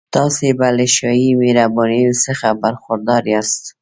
تاسي به له شاهي مهربانیو څخه برخوردار یاست.